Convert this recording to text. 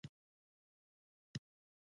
د کندز په دشت ارچي کې د څه شي نښې دي؟